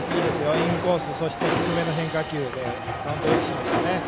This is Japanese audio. インコース低めの変化球でカウントをよくしました。